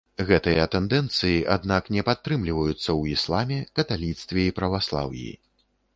Гэтыя тэндэнцыі, аднак, не падтрымліваюцца ў ісламе, каталіцтве і праваслаўі.